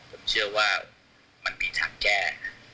ผมเชื่อว่ามันมีทางแก้